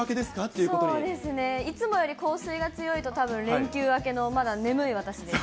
そうですね、いつもより香水が強いと、たぶん連休明けの、たぶん眠い私です。